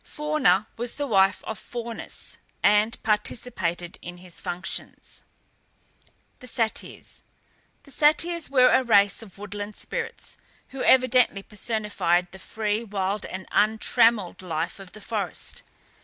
Fauna was the wife of Faunus, and participated in his functions. THE SATYRS. The Satyrs were a race of woodland spirits, who evidently personified the free, wild, and untrammelled life of the forest.